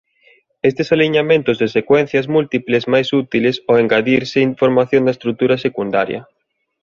Estes aliñamentos de secuencias múltiples máis útiles ao engadirse información da estrutura secundaria.